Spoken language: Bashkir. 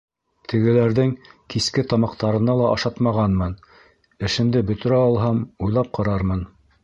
Тегеләрҙең киске тамаҡтарына ла ашатмағанмын, эшемде бөтөрә алһам, уйлап ҡарармын.